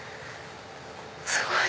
すごい！